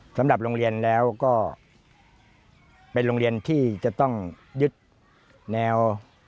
สำหรับโรงเรียนแล้วก็เป็นโรงเรียนที่จะต้องยึดแนว